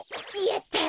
やった！